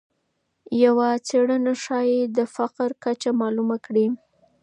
یوه څېړنه ښایي د فقر کچه معلومه کړي.